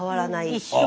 一緒。